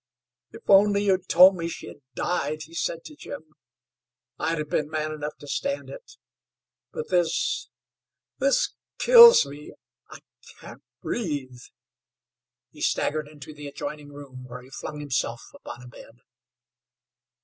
"If only you'd told me she had died," he said to Jim, "I'd have been man enough to stand it, but this this kills me I can't breathe!" He staggered into the adjoining room, where he flung himself upon a bed.